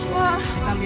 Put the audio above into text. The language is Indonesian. nanti lagi deh